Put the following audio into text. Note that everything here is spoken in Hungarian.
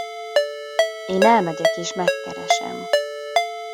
Én elmegyek és megkeresem.